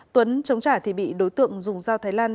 tuấn chống trả thì bị đối tượng dùng dao thái lan